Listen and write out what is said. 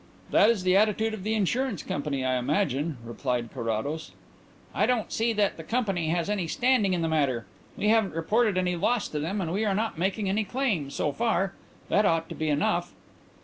"That is the attitude of the insurance company, I imagine," replied Carrados. "I don't see that the company has any standing in the matter. We haven't reported any loss to them and we are not making any claim, so far. That ought to be enough."